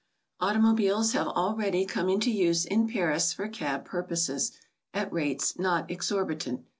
Automobiles have already come into use in Paris for cab purposes, at rates not exorbitant.